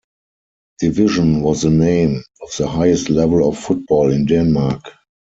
Division was the name of the highest level of football in Denmark.